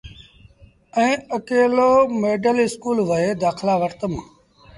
ائيٚݩ اڪيلو ميڊل اسڪول وهي دآکلآ وٺتم۔